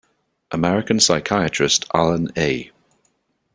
American psychiatrist Alan A.